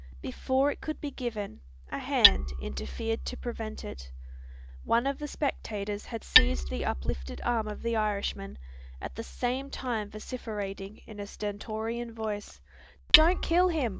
Before it could be given, a hand interfered to prevent it. One of the spectators had seized the uplifted arm of the Irishman, at the same time vociferating, in a stentorian voice "Don't kill him!